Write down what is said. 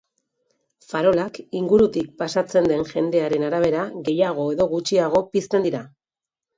Farolak ingurutik pasatzen den jendearen arabera gehiago edo gutxiago pizten dira.